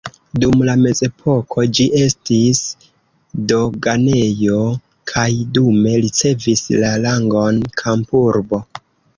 Dum la mezepoko ĝi estis doganejo kaj dume ricevis la rangon kampurbo.